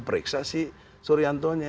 periksa si suryantonya